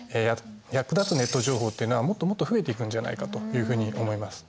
役立つネット情報っていうのはもっともっと増えていくんじゃないかというふうに思います。